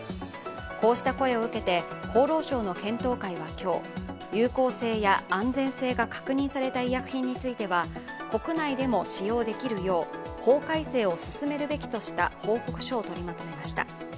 こうした声を受けて厚労省の検討会は今日、有効性や安全性が確認された医薬品については国内でも使用できるよう法改正を進めるべきとした報告書を取りまとめました。